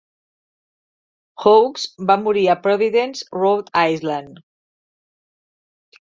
Hawkes va morir a Providence, Rhode Island.